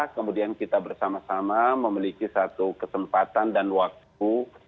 kemudian kita bersama sama memiliki satu kesempatan dan waktu